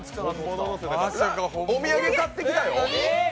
お土産買ってきたよ？